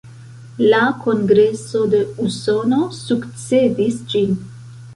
La Kongreso de Usono sukcedis ĝin.